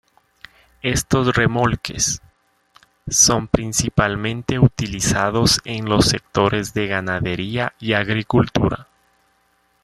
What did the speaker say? Estos remolques, son principalmente utilizados en los sectores de ganadería y agricultura.